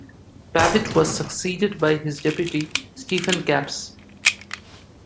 Pavitt was succeeded by his deputy, Stephen Kappes.